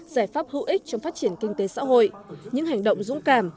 giải pháp hữu ích trong phát triển kinh tế xã hội những hành động dũng cảm